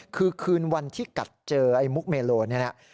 คือคืนวันที่กัดเจอไอ้มุกเมโลนี่นะ